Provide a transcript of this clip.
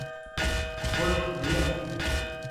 خوش رہیا